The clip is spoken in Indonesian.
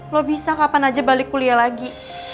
lo bisa kapan aja balik kuliah lagi